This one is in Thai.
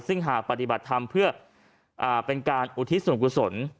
ซึ่งหากปฏิบัติธรรมเพื่อเป็นการอุทิศส่วนกุศล